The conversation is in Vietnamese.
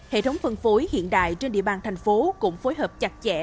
hệ thống phân phối hiện đại trên địa bàn thành phố cũng phối hợp chặt chẽ